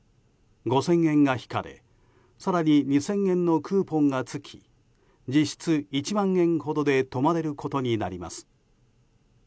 ５０００円が引かれ更に２０００円のクーポンが付き実質１万円ほどで泊まれることになります。